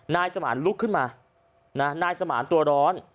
นายสมานลุกขึ้นมานายสมานตัวร้อน